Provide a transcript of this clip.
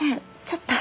ちょっと。